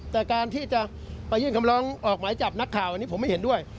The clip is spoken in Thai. แต่การที่จะไปยื่นคำร้องออกหมายจับนักข่าวอันนี้ผมไม่เห็นด้วย